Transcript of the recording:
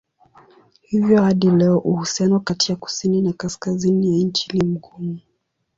Hivyo hadi leo uhusiano kati ya kusini na kaskazini ya nchi ni mgumu.